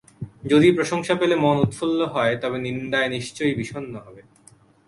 যদি প্রশংসা পেলে মন উৎফুল্ল হয়, তবে নিন্দায় নিশ্চয় বিষণ্ণ হবে।